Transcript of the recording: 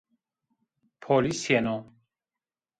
Polîs yeno